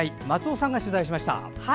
松尾さんが取材しました。